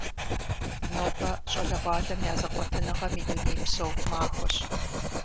Нобэ щӏалэгъуалэм я зэкъуэтыныгъэм и дунейпсо махуэщ.